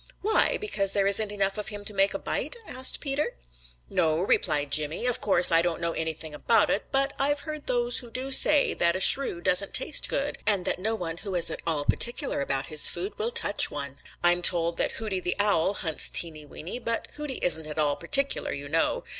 "Why? Because there isn't enough of him to make a bite?" asked Peter. "No," replied Jimmy. "Of course I don't know anything about it, but I've heard those who do say that a Shrew doesn't taste good, and that no one who is at all particular about his food will touch one. I am told that Hooty the Owl hunts Teeny Weeny, but Hooty isn't at all particular, you know.